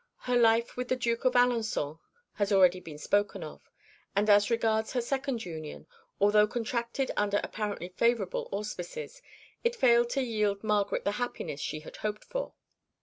Her life with the Duke of Alençon has already been spoken of; and as regards her second union, although contracted under apparently favourable auspices, it failed to yield Margaret the happiness she had hoped for.